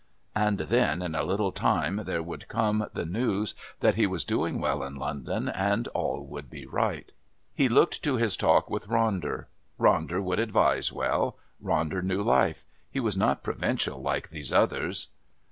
And then in a little time there would come the news that he was doing well in London, and all would be right. He looked to his talk with Ronder. Ronder would advise well. Ronder knew life. He was not provincial like these others....